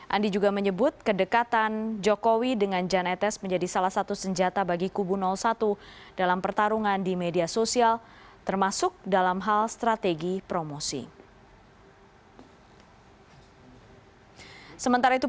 andi juga menyebut kedekatan jokowi dengan jan etes menjadi salah satu senjata bagi kubu satu dalam pertarungan di media sosial termasuk dalam hal strategi promosi